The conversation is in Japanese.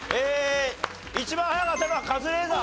一番早かったのはカズレーザー。